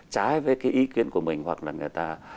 trái với cái ý kiến của mình hoặc là người ta